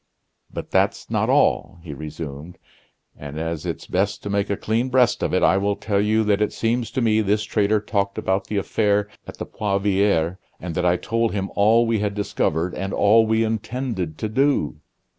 "But that's not all," he resumed; "and as it's best to make a clean breast of it, I will tell you that it seems to me this traitor talked about the affair at the Poivriere, and that I told him all we had discovered, and all we intended to do."